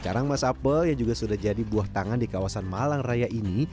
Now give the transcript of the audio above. karang mas apel yang juga sudah jadi buah tangan di kawasan malang raya ini